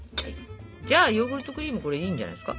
じゃあヨーグルトクリームこれいいんじゃないですか？